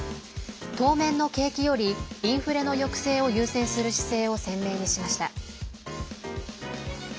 当面の景気よりインフレの抑制を優先する姿勢を鮮明にしました。